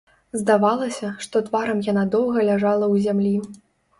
Здавалася, што тварам яна доўга ляжала ў зямлі.